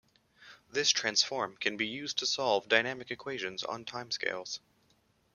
This transform can be used to solve dynamic equations on time scales.